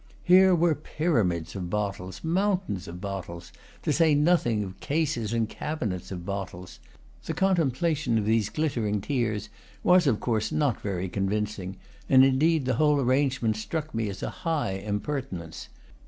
Here were pyramids of bottles, mountains of bottles, to say nothing of cases and cabinets of bottles. The contemplation of these glittering tiers was of course not very convincing; and indeed the whole arrangement struck me as a high impertinence.